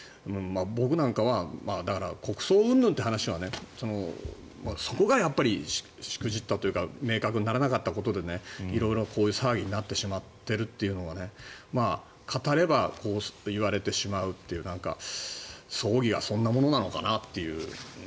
僕なんかは国葬うんぬんって話はそこがやっぱりしくじったというか明確にならなかったことで色んな騒ぎになってしまっているというのは語ればこう言われてしまうという葬儀はそんなものなのかなという。